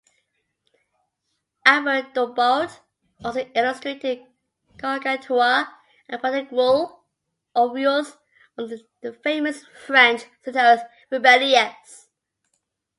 Albert Dubout also illustrated Gargantua and Pantagruel, oeuvres of the famous French satirist Rabelais.